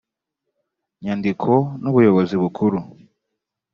nyandiko n ubuyobozi bukuru